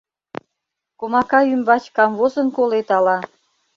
Комака ӱмбач камвозын колет ала...